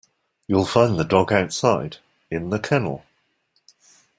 You'll find the dog outside, in the kennel